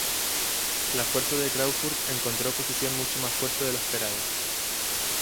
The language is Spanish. La fuerza de Craufurd encontró oposición mucho más fuerte de lo esperado.